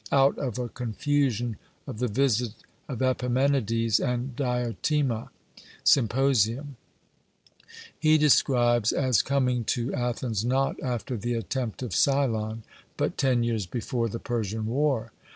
out of a confusion of the visit of Epimenides and Diotima (Symp.), he describes as coming to Athens, not after the attempt of Cylon, but ten years before the Persian war.